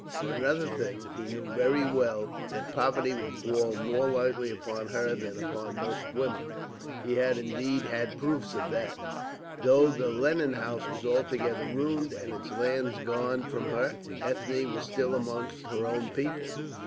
For another thing, he knew very well that poverty would fall more lightly upon her than upon most women. He had indeed had proofs of that. Though the Lennon House was altogether ruined, and its lands gone from her, Ethne was still amongst her own people.